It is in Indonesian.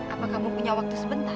apa kamu punya waktu sebentar